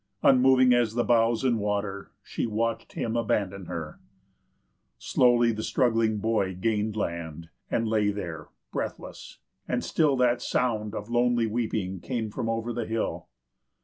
Unmoving as the boughs and water, she watched him abandon her. Slowly the struggling boy gained land, and lay there, breathless. And still that sound of lonely weeping came from over the hill.